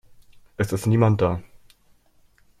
Es ist niemand da.